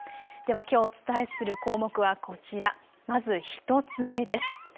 ではきょうお伝えする項目はこちら、まず１つ目です。